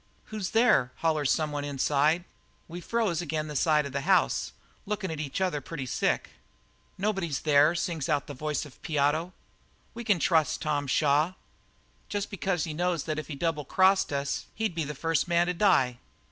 "'Who's there?' hollers someone inside. "We froze ag'in' the side of the house, lookin' at each other pretty sick. "'Nobody's there,' sings out the voice of old Piotto. 'We can trust Tom Shaw, jest because he knows that if he double crossed us he'd be the first man to die.'